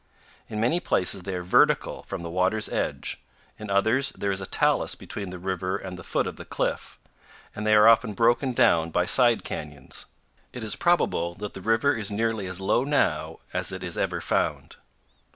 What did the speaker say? In many places they are vertical from the water's edge; in others there is a talus between the river and the foot of the cliff; and they are often broken down by side canyons. It is probable that the river is nearly as low now as it is ever found.